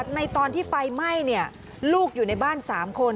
ในตอนที่ไฟไหม้ลูกอยู่ในบ้าน๓คน